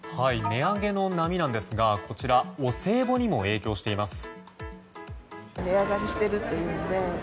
値上げの波ですがお歳暮にも影響しています。